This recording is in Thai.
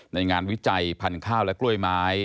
ในงานวิจัยพันธุ์ข้าวและกล้วยไม้